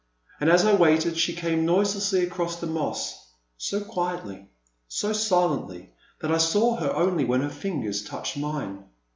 And as I waited, she came noiselessly across the moss, so quietly, so silently that I saw her only when her fingers touched mine.